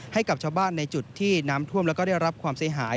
ให้กับชาวบ้านในจุดที่น้ำท่วมแล้วก็ได้รับความเสียหาย